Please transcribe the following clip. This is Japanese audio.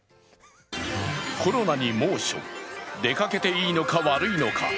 コロナに猛暑、出かけていいのか悪いのか。